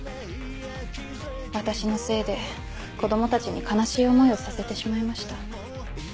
私のせいで子供たちに悲しい思いをさせてしまいました。